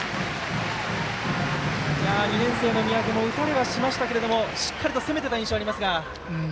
２年生の三宅も打たれはしましたけどしっかりと攻めていた印象がありますが。